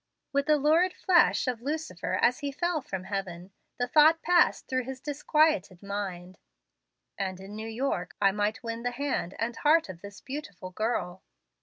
With the lurid flash of Lucifer as he fell from heaven, the thought passed through his disquieted mind, "And in New York I might win the hand and heart of this beautiful girl."